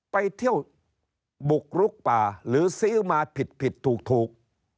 ไปเที่ยวบุกลุกป่าหรือซื้อมาผิดผิดถูก